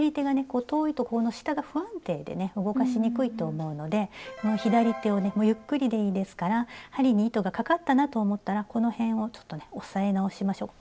こう遠いとこの下が不安定でね動かしにくいと思うので左手をねゆっくりでいいですから針に糸がかかったなと思ったらこの辺をちょっとね押さえ直しましょう。